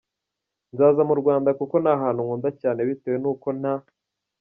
Nzaza mu Rwanda kuko ni ahantu nkunda cyane bitewe n'uko nta